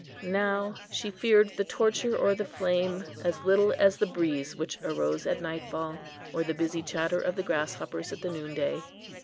Now she feared the torture or the flame as little as the breeze which arose at nightfall, or the busy chatter of the grasshoppers at the noonday.